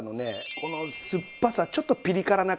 この酸っぱさちょっとピリ辛な感じ。